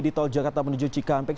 di tol jakarta menuju cikampek